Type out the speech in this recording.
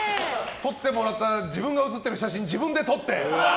撮ってもらった自分が写ってる写真を自分で撮って！